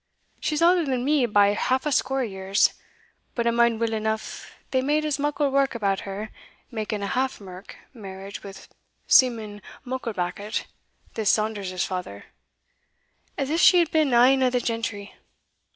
She's aulder than me by half a score years but I mind weel eneugh they made as muckle wark about her making a half merk marriage wi' Simon Mucklebackit, this Saunders's father, as if she had been ane o' the gentry.